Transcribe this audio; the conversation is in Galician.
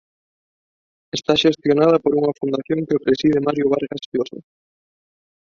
Está xestionada por unha fundación que preside Mario Vargas Llosa.